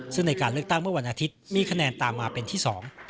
ซึ่งในการเลือกตั้งเมื่อวันอาทิตย์มีคะแนนตามมาเป็นที่สอง